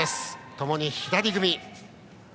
ともに左組み。